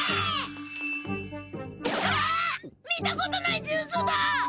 見たことないジュースだ！